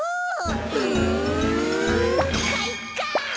うんかいか！